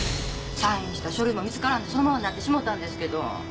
サインした書類も見つからんでそのままになってしもうたんですけど。